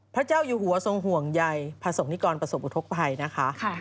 พระเจ้าอยู่หัวทรงห่วงใยพระศกนิกรประสบอุทธกภัยนะคะ